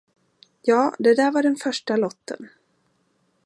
Ja, det där var den första lotten.